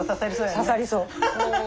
刺さりそう。